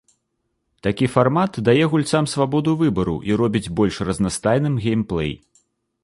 Такі фармат дае гульцам свабоду выбару і робіць больш разнастайным геймплэй.